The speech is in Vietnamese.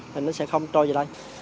thì nó sẽ không trôi về đây